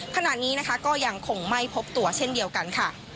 ขณะนี้ก็ยังคงไม่พบตัวเช่นเดียวกัน